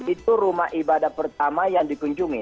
itu rumah ibadah pertama yang dikunjungi